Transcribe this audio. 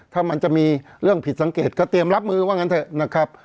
ถ้ามันจะมีเรื่องผิดสังเกตก็เตรียมรับมือว่างั้นเถอะนะครับ